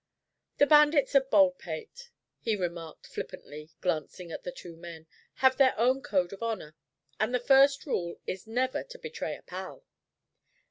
"The bandits of Baldpate," he remarked flippantly, glancing at the two men, "have their own code of honor, and the first rule is never to betray a pal."